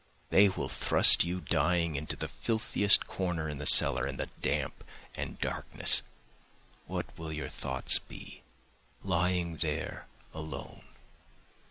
They will thrust you dying into the filthiest corner in the cellar—in the damp and darkness; what will your thoughts be, lying there alone?